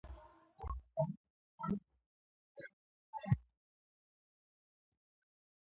Taswira za mwonjo: Hizi hulenga kwenye hisia za